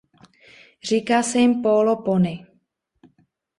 Říká se jim Pólo pony.